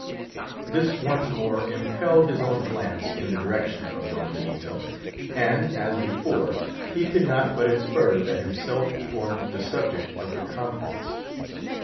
This once more impelled his own glance in the direction of Don Benito, and, as before, he could not but infer that himself formed the subject of the conference.